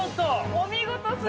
お見事すぎ。